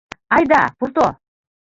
— Айда пурто!..